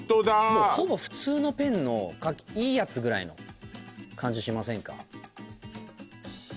もうほぼ普通のペンのいいやつぐらいの感じしませんか？